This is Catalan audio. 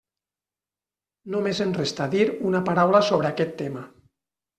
Només em resta dir una paraula sobre aquest tema.